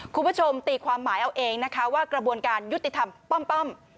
คุณผู้ชมตีความหมายเอาเองนะคะว่ากระบวนการยุติธรรมป้อม